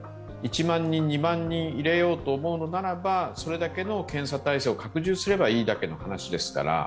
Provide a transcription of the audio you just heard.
１万人、２万人入れようと思うのならばそれだけの検査体制を拡充すればいいだけの話ですから。